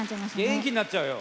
元気になっちゃうよ。